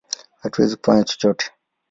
Hatuwezi kufanya chochote!